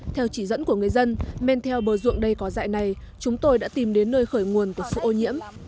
theo chỉ dẫn của người dân men theo bờ ruộng đây có dại này chúng tôi đã tìm đến nơi khởi nguồn từ sự ô nhiễm